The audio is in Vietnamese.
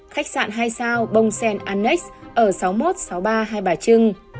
khách sạn hai sao bông sen annex ở sáu nghìn một trăm sáu mươi ba hai bà trưng